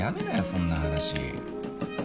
そんな話。